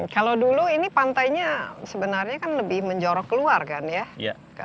kalau dulu ini pantainya sebenarnya kan lebih menjorok keluar kan ya